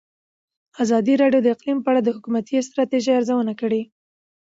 ازادي راډیو د اقلیم په اړه د حکومتي ستراتیژۍ ارزونه کړې.